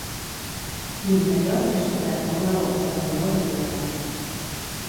L'interior és cobert amb una volta de canó de pedra.